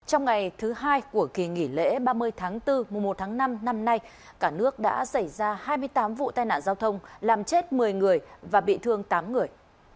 trong ngày thứ hai của kỳ nghỉ lễ ba mươi tháng bốn mùa một tháng năm năm nay cả nước đã xảy ra hai mươi tám vụ tai nạn giao thông làm chết một mươi người và bị thương tám người